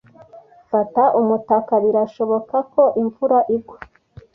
Fata umutaka. Birashoboka ko imvura igwa.